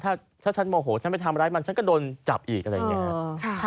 ถ้าฉันโมโหฉันไปทำร้ายมันฉันก็โดนจับอีกอะไรอย่างนี้ครับ